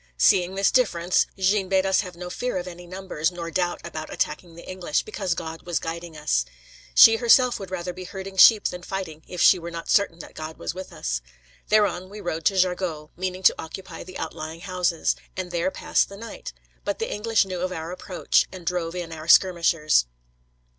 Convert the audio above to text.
Seeing this difference, Jeanne bade us have no fear of any numbers, nor doubt about attacking the English, because God was guiding us. She herself would rather be herding sheep than fighting, if she were not certain that God was with us. Thereon we rode to Jargeau, meaning to occupy the outlying houses, and there pass the night; but the English knew of our approach, and drove in our skirmishers.